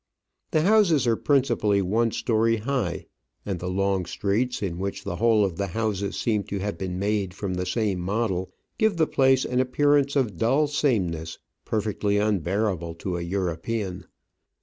The houses are principally one storey high, and the long streets, in which the whole of the houses seem to have been made from the same model, give the place an appearance of dull sameness perfectly unbearable to a European.